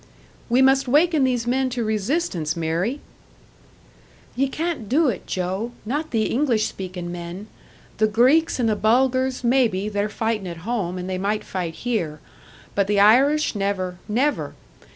"We must waken these men to resistance, Mary!" "Ye can't do it, Joe not the English speakin' men. The Greeks and the Bulgars, maybe they're fightin' at home, and they might fight here. But the Irish never never!